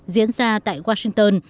diễn ra tại washington